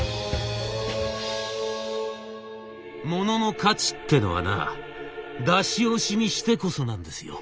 「モノの価値ってのはな出し惜しみしてこそなんですよ。